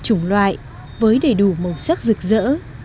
chủng loại với đầy đủ màu sắc rực rỡ